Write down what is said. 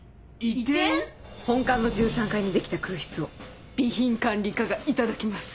移転⁉本館の１３階にできた空室を備品管理課が頂きます。